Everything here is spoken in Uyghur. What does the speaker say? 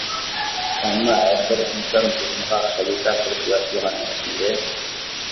ئەمما ھەر بىر ئىنسان زېمىنغا خەلىپە قىلىپ يارىتىلغان ئەمەسمىدى؟ !